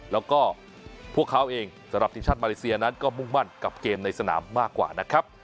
แล้วก็พวกเขาเองสำหรับทีมชาติมาเลเซียนั้นก็มุ่งมั่นกับเกมในสนามมากกว่านะครับ